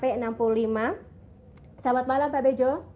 selamat malam pak bejo